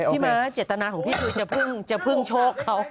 พี่ม้าเจตนาของพี่จะเพิ่งโชคเขา